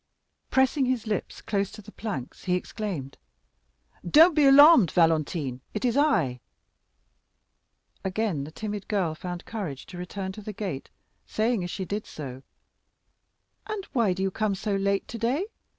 Pressing his lips close to the planks, he exclaimed: "Don't be alarmed, Valentine—it is I!" Again the timid girl found courage to return to the gate, saying, as she did so: "And why do you come so late today?